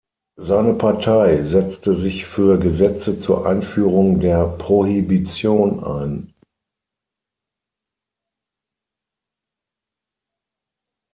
Seine Partei setzte sich für Gesetze zur Einführung der Prohibition ein.